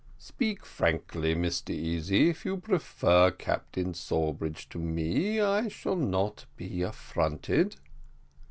"Speak frankly, Mr Easy; if you prefer Captain Sawbridge to me I shall not be affronted."